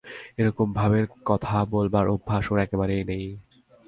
এরকম ভাবের কথা বলবার অভ্যাস ওর একেবারেই নেই।